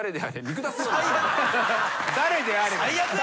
「誰であれ」